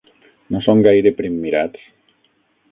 No són gaire primmirats.